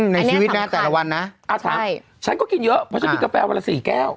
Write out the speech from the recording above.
ในชีวิตนะแต่ละวันนะถามฉันก็กินเยอะเพราะฉันกินกาแฟวันละ๔แก้ว